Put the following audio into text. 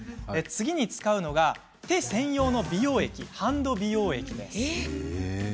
次に使うのが、手専用の美容液ハンド美容液です。